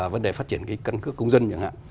vấn đề phát triển cái căn cước công dân